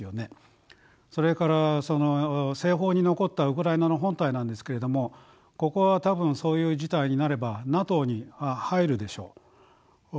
それからその西方に残ったウクライナの本体なんですけれどもここは多分そういう事態になればＮＡＴＯに入るでしょう。